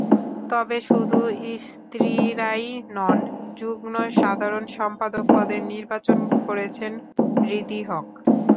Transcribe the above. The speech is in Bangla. তবে শুধু স্ত্রীরাই নন, যুগ্ম সাধারণ সম্পাদক পদে নির্বাচন করছেন হৃদি হক।